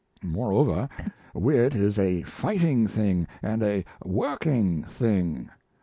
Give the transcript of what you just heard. Moreover, wit is a fighting thing and a working thing.